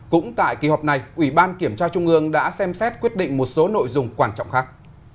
năm cũng tại kỳ họp này ủy ban kiểm tra trung ương đã xem xét quyết định một số nội dung quan trọng khác